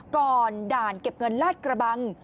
ก่อนด่านเก็บเงินลาดกระบัง